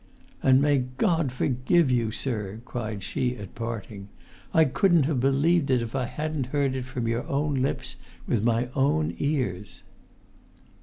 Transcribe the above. "And may God forgive you, sir!" cried she at part[Pg 30]ing. "I couldn't have believed it if I hadn't heard it from your own lips with my own ears!"